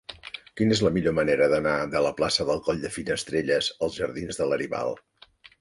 Quina és la millor manera d'anar de la plaça del Coll de Finestrelles als jardins de Laribal?